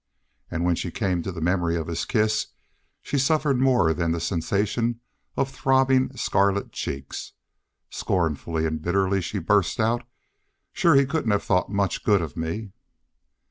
And when she came to the memory of his kiss she suffered more than the sensation of throbbing scarlet cheeks. Scornfully and bitterly she burst out, "Shore he couldn't have thought much good of me."